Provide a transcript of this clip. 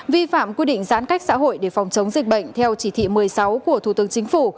vi phạm quy định giãn cách xã hội để phòng chống dịch bệnh theo chỉ thị một mươi sáu của thủ tướng chính phủ